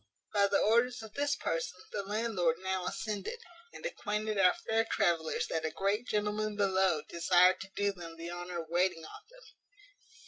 By the orders of this person, the landlord now ascended, and acquainted our fair travellers that a great gentleman below desired to do them the honour of waiting on them.